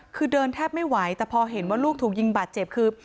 คือเดินแทบไม่ไหวแต่พอเห็นว่าลูกถูกยิงบาดเจ็บคือ